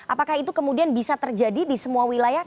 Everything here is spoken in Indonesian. apakah itu kemudian bisa terjadi di semua wilayah